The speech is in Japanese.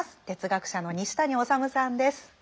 哲学者の西谷修さんです。